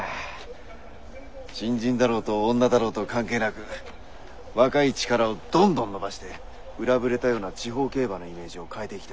新人だろうと女だろうと関係なく若い力をどんどん伸ばしてうらぶれたような地方競馬のイメージを変えていきたいんだ。